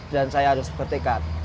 dan saya harus bertekad